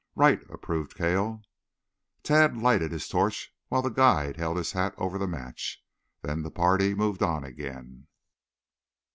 "Right," approved Cale. Tad lighted his torch while the guide held his hat over the match. Then the party moved on again.